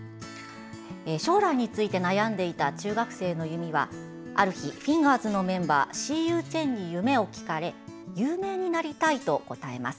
将来について悩んでいた中学生の由実はある日ザ・フィンガーズのメンバーシー・ユー・チェンに夢を聞かれ有名になりたいと答えます。